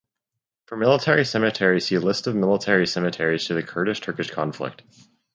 For military cemeteries see List of military cemeteries to the Kurdish–Turkish conflict